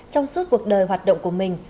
trong suốt cuộc đời hoạt động của mình